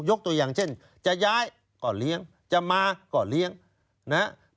ยกตัวอย่างเช่นจะย้ายก็เลี้ยงจะมาก็เลี้ยงนะครับ